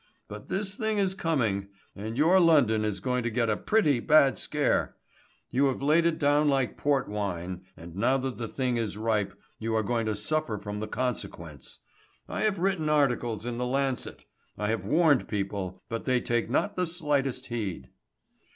But this thing is coming, and your London is going to get a pretty bad scare. You have laid it down like port wine, and now that the thing is ripe you are going to suffer from the consequence. I have written articles in the Lancet, I have warned people, but they take not the slightest heed."